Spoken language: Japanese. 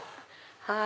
はい。